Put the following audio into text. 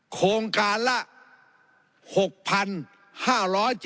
กรทมต้องการหาผู้รับจ้างมากำจัดขยะ